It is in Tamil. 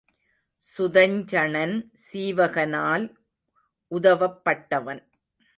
சுதஞ்சணன் சீவகனால் உதவப்பட்டவன்.